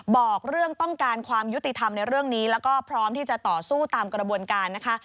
บอกเรื่องต้องการความยุติธรรมในเรื่องนี้แล้วก็พร้อมที่จะต่อสู้ตามกระบวนการนะคะ